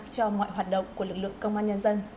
cho mọi hoạt động của lực lượng công an nhân dân